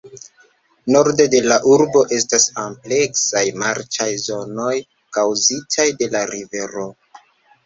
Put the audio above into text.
Norde de la urbo estas ampleksaj marĉaj zonoj kaŭzitaj de la rivero.